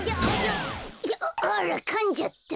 ああらかんじゃった。